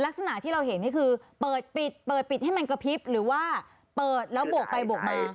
ลักษณะที่เราเห็นนี่คือเปิดปิดเปิดปิดให้มันกระพริบหรือว่าเปิดแล้วโบกไปโบกมา